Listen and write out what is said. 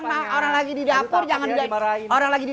ini orang lagi di dapur jangan di acak acak begini